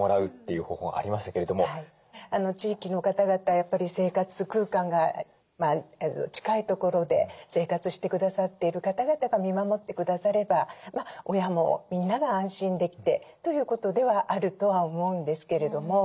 やっぱり生活空間が近い所で生活して下さっている方々が見守って下されば親もみんなが安心できてということではあるとは思うんですけれども。